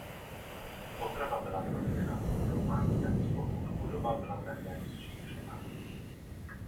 Oprava byla provedena v novorománském slohu a budova byla také rozšířena.